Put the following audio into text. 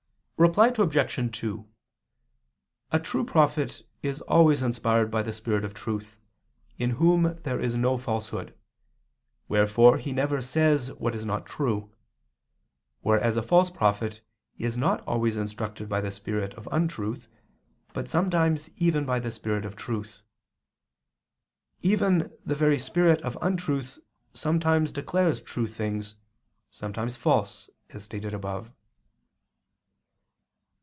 Reply Obj. 2: A true prophet is always inspired by the Spirit of truth, in Whom there is no falsehood, wherefore He never says what is not true; whereas a false prophet is not always instructed by the spirit of untruth, but sometimes even by the Spirit of truth. Even the very spirit of untruth sometimes declares true things, sometimes false, as stated above.